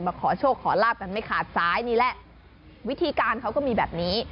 ขอโชคขอลาบกันไม่ขาดซ้ายนี่แหละวิธีการเขาก็มีแบบนี้